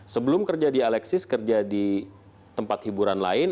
sebelum kerja di alexis kerja di tempat hiburan lain